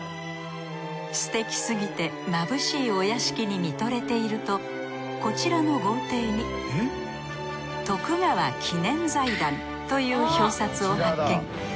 すてきすぎてまぶしいお屋敷に見とれているとこちらの豪邸に川記念財団という表札を発見。